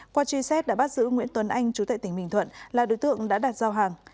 qua truy xét đã bắt giữ nguyễn tuấn anh chú tại tỉnh bình thuận là đối tượng đã đạt giao hàng